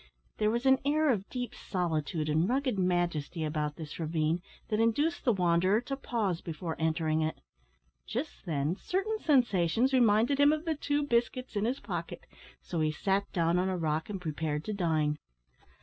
There was an air of deep solitude and rugged majesty about this ravine that induced the wanderer to pause before entering it. Just then, certain sensations reminded him of the two biscuits in his pocket, so he sat down on a rock and prepared to dine.